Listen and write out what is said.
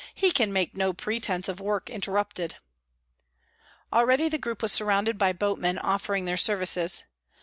"He can make no pretence of work interrupted." Already the group was surrounded by boatmen offering their services.